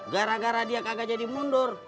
gara gara dia kagak jadi mundur